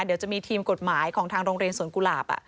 เดี๋ยวจะมีทีมกฎหมายของทางโรงเรียนสวนกุหลาบ